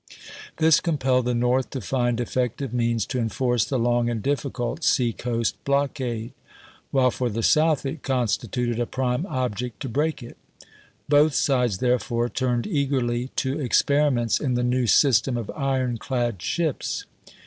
This compelled the North to find effective means to enforce the long and difficult sea coast blockade; while for the South it con stituted a prime object to break it. Both sides therefore turned eagerly to experiments in the new system of iron clad ships.